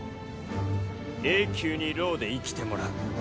永久に牢で生きてもらう。